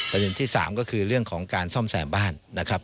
รถยนต์ที่สามก็คือเรื่องของการซ่อมแสงบ้านนะครับ